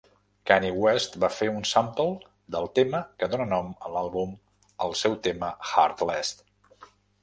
Kanye West va fer un sample del tema que dóna nom a l'àlbum al seu tema "Heartless".